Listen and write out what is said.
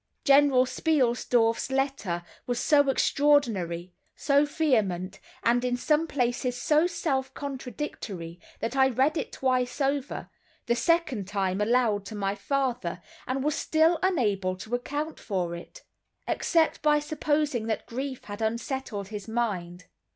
General Spielsdorf's letter was so extraordinary, so vehement, and in some places so self contradictory, that I read it twice over—the second time aloud to my father—and was still unable to account for it, except by supposing that grief had unsettled his mind.